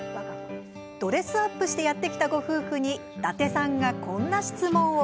ドレスアップしてやって来たご夫婦に伊達さんがこんな質問を。